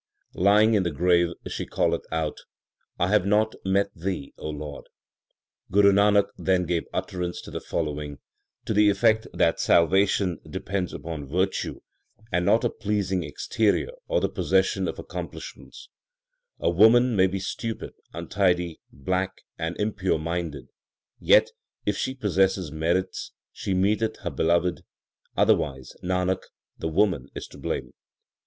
Lying in the grave she calleth out, I have not met Thee, O Lord. 3 Guru Nanak then gave utterance to the following, to the effect that salvation depends upon virtue and not on a pleasing exterior or the possession of accomplishments : A woman may be stupid, untidy, black, and impure minded ; Yet, if she possess merits, she meeteth her Beloved ; otherwise, Nanak, the woman is to blame.